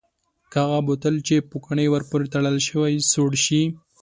که هغه بوتل چې پوکڼۍ ور پورې تړل شوې سوړ شي؟